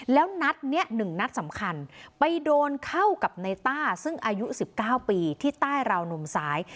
แล้วนัดนี้๑นัดสำคัญไปโดนเข้ากับในต้าซึ่งอายุ๑๙ปีที่ใต้ราวนมซ้าย